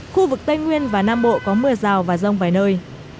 khu vực tây nguyên và nam bộ có mưa rào và rông vài nơi